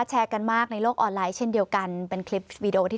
แชร์กันมากในโลกออนไลน์เช่นเดียวกันเป็นคลิปวีดีโอที่